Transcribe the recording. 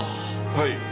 はい！